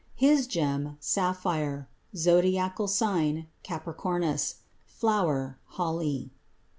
His gem Sapphire. Zodiacal sign Capricornus. Flower Holly.